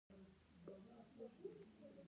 سړی یې له هرې خوا د خوږېدو ویلی شي.